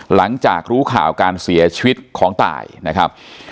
หลังจากรู้ข่าวการเสียชีวิตของตายนะครับ